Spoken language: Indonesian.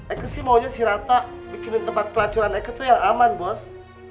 aku sih maunya sih rata bikinin tempat pelacuran aku yang aman bos